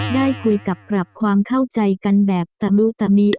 ได้คุยกับปรับความเข้าใจกันแบบตะมุตะมิ